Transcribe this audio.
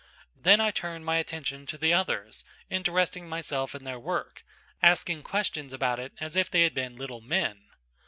Then I turned my attention to the others, interesting myself in their work, asking questions about it as if they had been little men.